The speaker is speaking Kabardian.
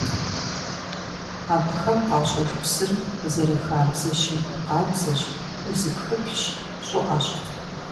Абыхэм къащӀэж псыр, зэрыхабзэщи, къабзэщ, узыпхыплъщ, щӀыӀэщ.